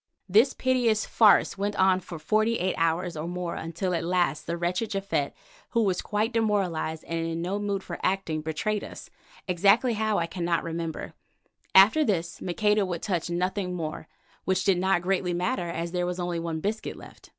This piteous farce went on for forty eight hours or more until at last the wretched Japhet, who was quite demoralized and in no mood for acting, betrayed us, exactly how I cannot remember. After this Maqueda would touch nothing more, which did not greatly matter as there was only one biscuit left.